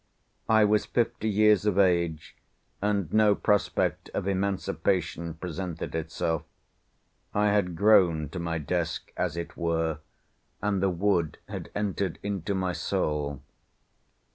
I was fifty years of age, and no prospect of emancipation presented itself. I had grown to my desk, as it were; and the wood had entered into my soul.